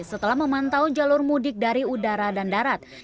setelah memantau jalur mudik dari udara dan darat